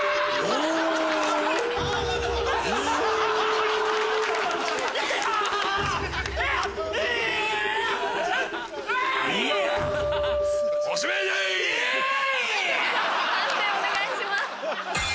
判定お願いします。